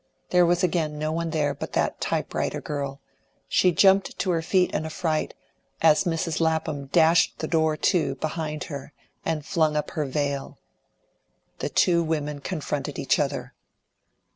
There was again no one there but that type writer girl; she jumped to her feet in a fright, as Mrs. Lapham dashed the door to behind her and flung up her veil. The two women confronted each other.